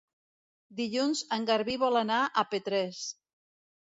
Dilluns en Garbí vol anar a Petrés.